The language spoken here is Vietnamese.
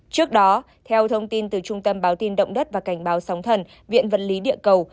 trước đó theo thông tin từ trung tâm báo tin động đất và cảnh báo sóng thần viện vật lý địa cầu